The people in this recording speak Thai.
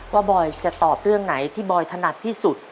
บอยจะตอบเรื่องไหนที่บอยถนัดที่สุด